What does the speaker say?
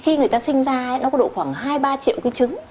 khi người ta sinh ra nó có độ khoảng hai ba triệu cái trứng